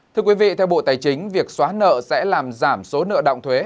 thưa quý vị theo bộ tài chính việc xóa nợ sẽ làm giảm số nợ động thuế